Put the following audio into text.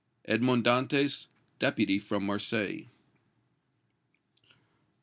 EDMOND DANTÈS, DEPUTY FROM MARSEILLES.